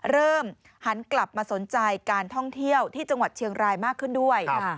เริ่มหันกลับมาสนใจการท่องเที่ยวที่จังหวัดเชียงรายมากขึ้นด้วย